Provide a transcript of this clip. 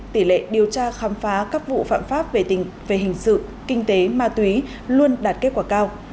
tỷ lệ điều tra khám phá các vụ phạm pháp về hình sự kinh tế ma túy luôn đạt kết quả cao